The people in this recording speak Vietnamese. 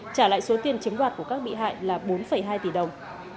trả lại số tiền chiếm đoạt của các bị hại là bốn hai tỷ đồng